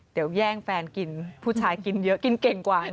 เดี๋ยวแย่งแฟนกินผู้ชายกินเยอะกินเก่งกว่า